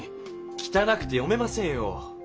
きたなくて読めませんよ。